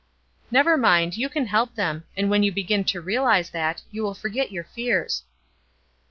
"Never mind, you can help them; and when you begin to realize that, you will forget your fears."